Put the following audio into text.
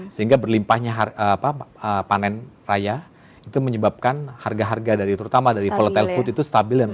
sehingga berlimpahnya panen raya itu menyebabkan harga harga dari terutama dari volatile food itu stabil